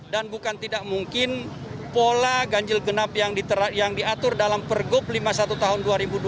dan bukan tidak mungkin pola ganjil genap yang diatur dalam pergub lima puluh satu tahun dua ribu dua puluh